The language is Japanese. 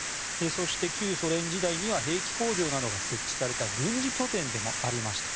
そして、旧ソ連時代には兵器工場などが設置された軍事拠点でもありました。